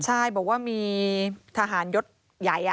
ใช่บอกว่ามีทหารยศใหญ่